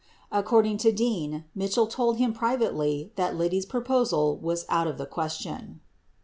53 According to Dean, Mitchell told him privately that Liddy's proposal was out of the question.